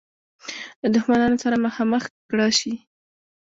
له دښمنانو سره مخامخ کړه شي.